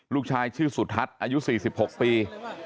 ลูกชายชื่อสุทัศน์อายุ๔๖ปี